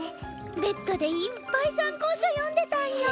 ベッドでいっぱい参考書読んでたんよ。